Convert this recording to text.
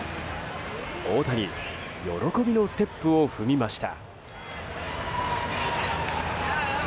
大谷喜びのステップを踏みました。